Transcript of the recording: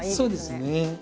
そうですね。